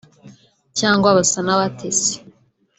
cyangwa basa n’abatesi